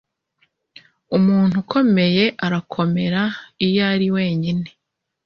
umuntu ukomeye arakomera iyo ari wenyine